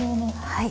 はい。